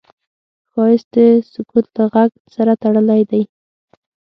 ښایست د سکوت له غږ سره تړلی دی